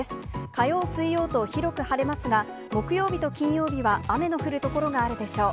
火曜、水曜と広く晴れますが、木曜日と金曜日は雨の降る所があるでしょう。